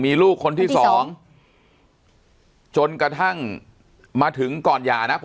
มีลูกคนที่สองจนกระทั่งมาถึงก่อนหย่านะ